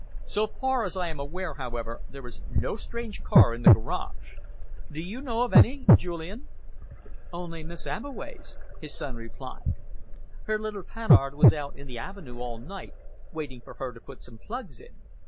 So far as I am aware, however, there is no strange car in the garage. Do you know of any, Julian?" "Only Miss Abbeway's," his son replied. "Her little Panhard was out in the avenue all night, waiting for her to put some plugs in.